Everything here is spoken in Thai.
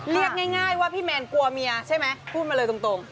เรียกง่ายว่าพี่แมนกลัวเมียใช่ไหมพูดมาเลยตรง